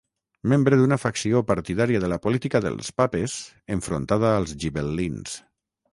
Membre d'una facció partidària de la política dels papes, enfrontada als gibel·lins.